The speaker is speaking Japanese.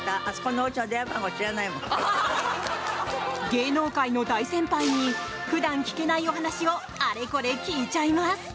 芸能界の大先輩に普段聞けないお話をあれこれ聞いちゃいます。